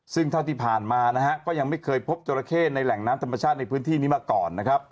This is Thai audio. ซึ่งเท่าที่ผ่านมานะฮะก็ยังไม่เคยพบจราเข้ในแหล่งน้ำธรรมชาติในพื้นที่นี้มาก่อนนะครับ